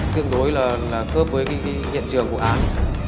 tương đối là cơ với cái diện trường của an